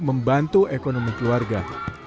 dan membantu ekonomi keluarga